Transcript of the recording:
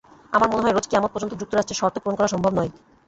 আমার মনে হয়, রোজ কেয়ামত পর্যন্ত যুক্তরাষ্ট্রের শর্ত পূরণ করা সম্ভব নয়।